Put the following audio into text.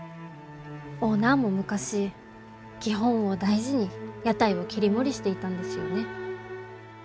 オーナーも昔基本を大事に屋台を切り盛りしていたんですよね。